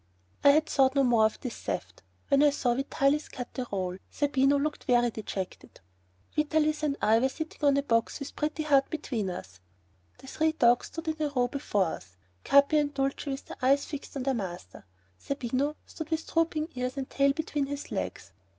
I had thought no more of this theft, when I saw Vitalis cut the roll; Zerbino looked very dejected. Vitalis and I were sitting on a box with Pretty Heart between us. The three dogs stood in a row before us, Capi and Dulcie with their eyes fixed on their master. Zerbino stood with drooping ears and tail between his legs.